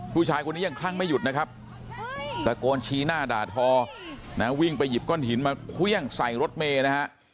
ผู้ชายคนนี้ยังคลั่งไม่หยุดนะครับตะโกนชี้หน้าด่าทอนะวิ่งไปหยิบก้อนหินมาเครื่องใส่รถเมย์นะฮะ